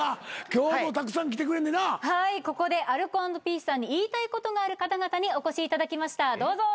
はいここでアルコ＆ピースさんに言いたいことがある方々にお越しいただきましたどうぞ。